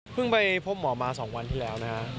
เพิ่งไปพบหมอมา๒วันที่แล้วนะครับ